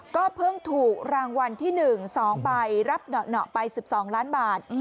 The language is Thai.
ก็เพิ่งถูกรางวัลที่๑๒ใบรับเหนาะไป๑๒ล้านบาท